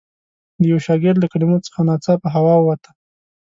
د یوه شاګرد له کلمو څخه ناڅاپه هوا ووته.